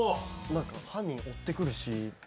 犯人追ってくるし。